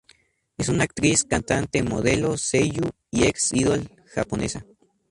Es una actriz, cantante, modelo, seiyū y ex idol japonesa.